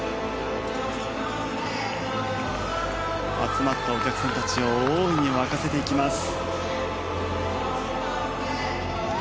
集まったお客さんたちを大いに沸かせていきます。